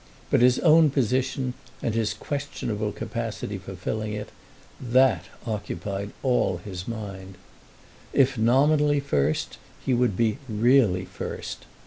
But his own position and his questionable capacity for filling it, that occupied all his mind. If nominally first he would be really first.